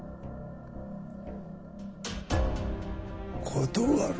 断る。